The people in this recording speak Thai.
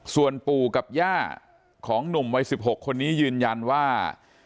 ส่วนปู่กับย่าของหนุ่มวัย๑๖คนนี้ยืนยันว่า